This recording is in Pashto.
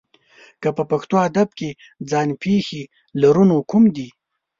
که په پښتو ادب کې ځان پېښې لرو نو کوم دي؟